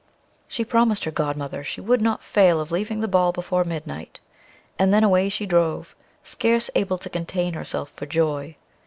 She promised her godmother, she would not fail of leaving the ball before midnight; and then away she drove, scarce able to contain herself for joy.